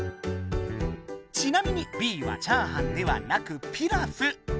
ちなみにＢはチャーハンではなくピラフ。